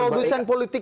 kalau itu dan balik